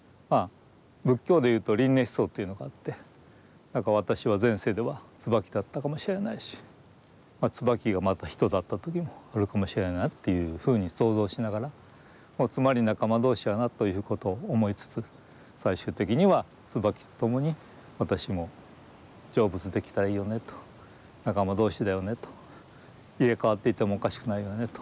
仏教で言うと輪廻思想というのがあって私は前世では椿だったかもしれないし椿がまた人だった時もあるかもしれないというふうに想像しながらつまり仲間同士やなということを思いつつ最終的には椿と共に私も成仏できたらいいよねと仲間同士だよねと入れ代わっていてもおかしくないよねと。